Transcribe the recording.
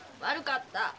悪かった。